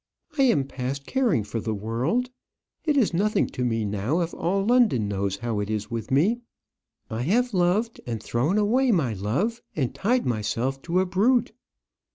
I am past caring for the world. It is nothing to me now if all London knows how it is with me. I have loved, and thrown away my love, and tied myself to a brute.